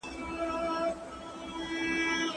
د دغي پېښي علت څه وو؟